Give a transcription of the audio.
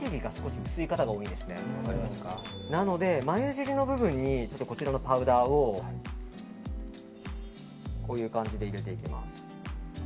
眉尻の部分にこちらのパウダーをこういう感じで入れていきます。